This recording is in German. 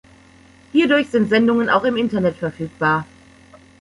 Hierdurch sind Sendungen auch im Internet verfügbar.